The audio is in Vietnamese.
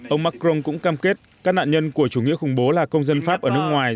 ông macron cũng cam kết các nạn nhân của chủ nghĩa khủng bố là công dân pháp ở nước ngoài